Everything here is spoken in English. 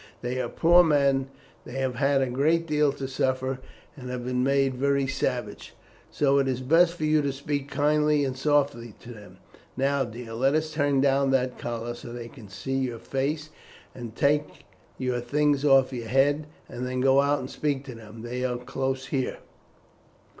They are poor men, they have had a great deal to suffer, and have been made very savage; so it is best for you to speak kindly and softly to them. Now, dear, let us turn down that collar, so that they can see your face, and take your things off your head, and then go out and speak to them. They are close here."